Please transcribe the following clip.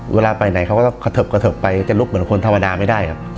เวลาไปไหนเขาก็จะกระเทิบกระเทิบไปจะลุกเหมือนคนธรรมดาไม่ได้ครับ